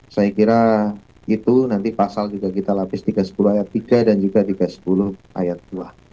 saya kira itu nanti pasal juga kita lapis tiga ratus sepuluh ayat tiga dan juga tiga ratus sepuluh ayat dua